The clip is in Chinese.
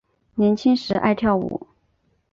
年轻时爱跳舞。